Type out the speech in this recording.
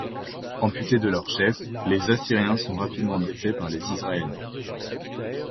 Amputés de leur chef, les Assyriens sont rapidement défaits par les Israéliens.